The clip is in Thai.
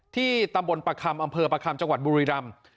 ที่ตำบลประคำอำเภอประคัมจังหวัดบุรีรำ